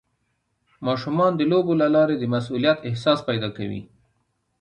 ماشومان د لوبو له لارې د مسؤلیت احساس پیدا کوي.